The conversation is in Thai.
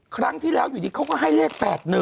ครั้งที่แล้วอยู่ดีเขาก็ให้เลข๘๑